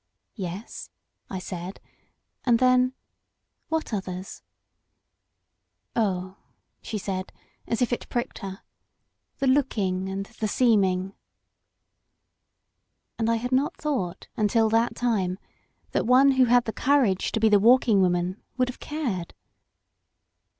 '*Yes," I said; and then, ''What others?" "Oh," she said, as if it pricked her, "the looking and the seeming." And I had not thought until that time that one who had the courage to be the Walking 204 THE WALKING WOMAN Woman wotild have cared!